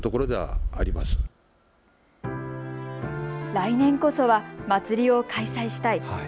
来年こそは祭りを開催したい。